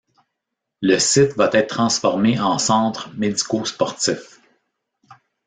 Le site va être transformé en centre médico-sportif.